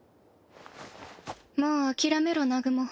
もう諦めろ南雲。